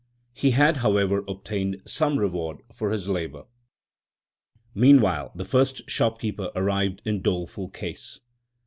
He had, however, obtained some reward for his labour. Meanwhile the first shopkeeper arrived in doleful case.